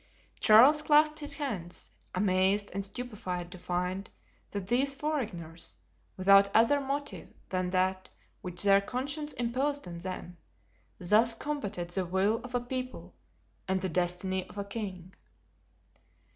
Charles clasped his hands, amazed and stupefied to find that these foreigners, without other motive than that which their conscience imposed on them, thus combated the will of a people and the destiny of a king.